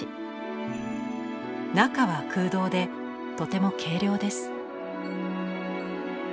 中は空洞でとても軽量です。